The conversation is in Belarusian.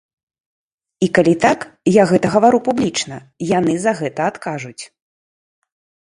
І калі так, я гэта гавару публічна, яны за гэта адкажуць.